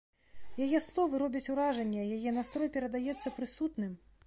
Яе словы робяць уражанне, яе настрой перадаецца прысутным.